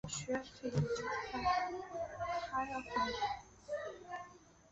中华民国军事将领。